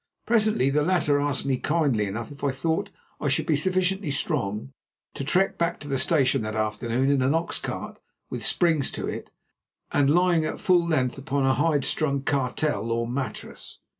Presently the latter asked me kindly enough if I thought I should be sufficiently strong to trek back to the station that afternoon in an ox cart with springs to it and lying at full length upon a hide strung cartel or mattress.